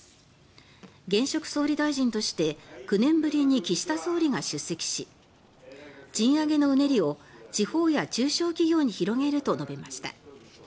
現職総理大臣として９年ぶりに岸田総理が出席し賃上げのうねりを地方や中小企業に広げると述べました。